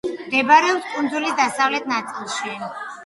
მდებარეობს კუნძულის დასავლეთ ნაწილში.